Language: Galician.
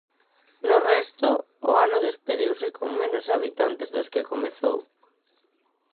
No resto, o ano despediuse con menos habitantes dos que comezou.